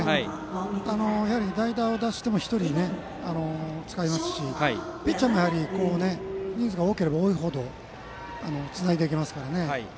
やはり代打を出しても１人、使いますしピッチャーも人数が多いほどつないでいけますからね。